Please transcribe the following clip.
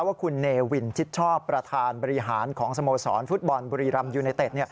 ว่าคุณเนวินชิดชอบประธานบริหารของสโมสรฟุตบอลบุรีรำยูไนเต็ด